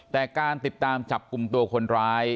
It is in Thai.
แต่การติดตามจับกลุ่มตัวคนร้าย